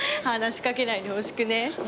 話しかけないでほしくねえ？